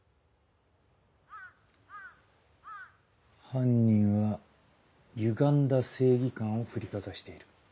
犯人は歪んだ正義感を振りかざしている。